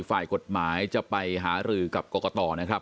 ฝ่ายกฎหมายจะไปหารือกับกรกตนะครับ